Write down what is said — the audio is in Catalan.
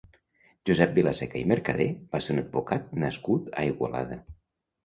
Josep Vilaseca i Mercader va ser un advocat nascut a Igualada.